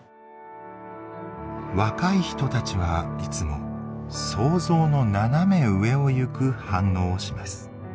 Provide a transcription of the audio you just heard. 若い人たちはいつも「想像の斜め上をいく」反応をします。